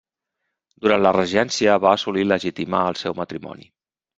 Durant la regència va assolir legitimar el seu matrimoni.